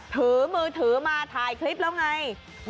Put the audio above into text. ถือมือถือมาถ่ายคลิปแล้วไง